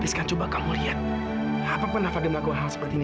sampai jumpa di video selanjutnya